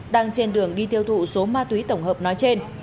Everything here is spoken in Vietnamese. đang trên đường đi tiêu thụ số ma túy tổng hợp nói trên